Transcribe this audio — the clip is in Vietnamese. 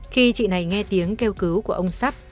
khi chị này nghe tiếng kêu cứu của ông sắp